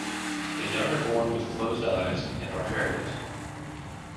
The young are born with closed eyes and are hairless.